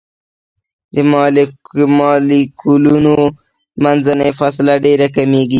د مالیکولونو منځنۍ فاصله ډیره کمیږي.